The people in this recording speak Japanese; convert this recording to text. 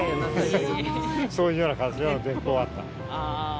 そういうような感じの電報はあった。